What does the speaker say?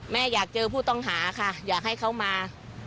แม่อยากเจอผู้ต้องหาค่ะอยากให้เขามา